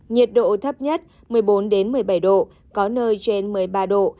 nhiệt độ thấp nhất một mươi bốn một mươi bảy độ có nơi trên một mươi ba độ